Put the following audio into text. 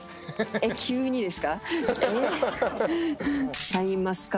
急にですか？